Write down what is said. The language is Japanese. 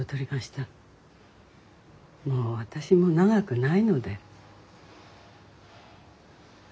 もう私も長くないので。